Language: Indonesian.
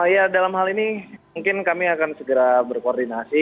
ya dalam hal ini mungkin kami akan segera berkoordinasi